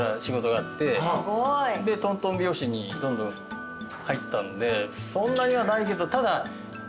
でとんとん拍子にどんどん入ったんでそんなにはないけどただ。